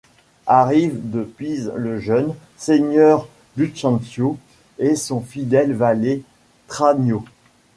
Arrivent de Pise le jeune seigneur Lucentio et son fidèle valet Tranio.